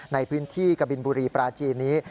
ในพื้นที่กบินบุรีปราจีนนี้